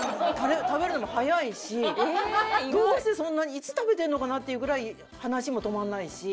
食べるのも早いしどうしてそんなにいつ食べてるのかな？っていうぐらい話も止まらないし。